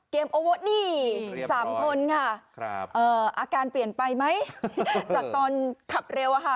โอเวอร์นี่๓คนค่ะอาการเปลี่ยนไปไหมจากตอนขับเร็วอะค่ะ